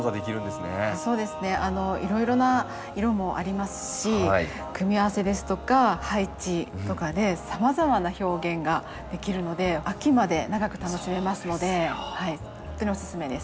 そうですねいろいろな色もありますし組み合わせですとか配置とかでさまざまな表現ができるので秋まで長く楽しめますのでほんとにおすすめです。